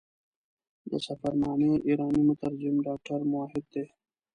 د سفرنامې ایرانی مترجم ډاکټر موحد دی.